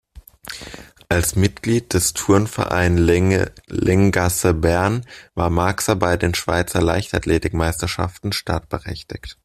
Als Mitglied des "Turnverein Länggasse Bern" war Marxer bei den Schweizer Leichtathletikmeisterschaften startberechtigt.